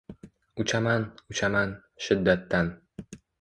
Uchaman, uchaman… shiddatdan